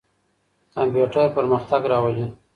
کمپيوټر پرمختګ راولي.